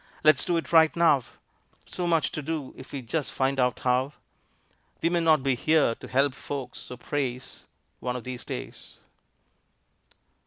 Let's do it right now; So much to do if we just find out how! We may not be here to help folks or praise One of these days.